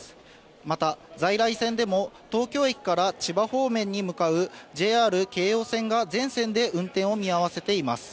また、在来線でも、東京駅から千葉方面に向かうＪＲ京葉線が全線で運転を見合わせています。